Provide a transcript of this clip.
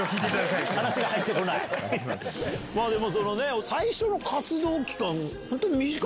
でも。